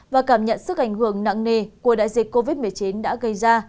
và cảm nhận sức ảnh hưởng nặng nề của đại dịch covid một mươi chín đã gây ra